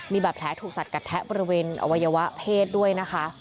มีบาดแผลถูกสัดกัดแทะบริเวณอวัยวะเพศด้วยนะคะ